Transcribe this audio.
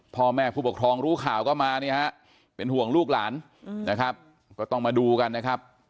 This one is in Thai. พ่อแม่ผู้ปกครองรู้ข่าวก็มาเนี่ยฮะเป็นห่วงลูกหลานนะครับก็ต้องมาดูกันนะครับ